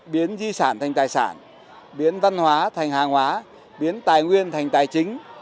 biến di sản thành tài sản biến văn hóa thành hàng hóa biến tài nguyên thành tài chính